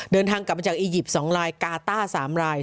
เดินทางกลับมาจากอียิปต์๒รายกาต้า๓ราย